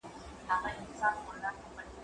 زه اوس کتابونه لوستل کوم؟!